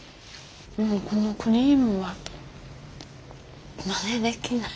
このクリームがまねできない。